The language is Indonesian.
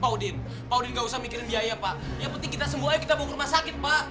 pak udin pak udin gak usah mikirin biaya pak yang penting kita sembuh ayo kita buka rumah sakit pak